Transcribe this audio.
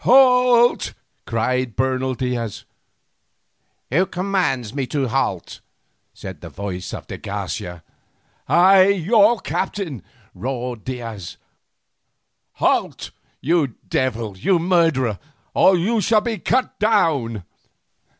"Halt!" cried Bernal Diaz. "Who commands me to halt?" said the voice of de Garcia. "I, your captain," roared Diaz. "Halt, you devil, you murderer, or you shall be cut down."